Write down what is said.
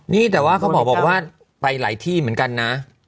นี่แต่ว่าเขาบอกว่าไปหลายที่เหมือนกันนะ